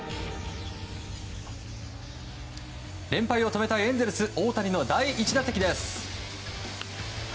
連敗を止めたいエンゼルス大谷の第１打席です。